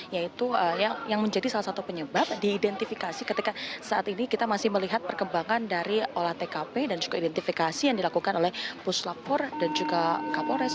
yaitu yang menjadi salah satu penyebab diidentifikasi ketika saat ini kita masih melihat perkembangan dari olah tkp dan juga identifikasi yang dilakukan oleh puslapor dan juga kapolres